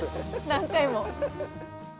何回も。